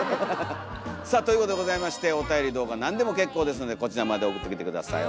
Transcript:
さあということでございましておたより動画なんでも結構ですのでこちらまで送ってきて下さい。